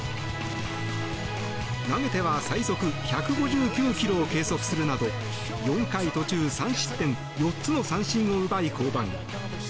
投げては最速１５９キロを計測するなど４回途中３失点４つの三振を奪い降板。